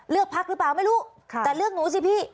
เลือกพักหรือเปล่าไม่รู้แต่เลือกหนูสิพี่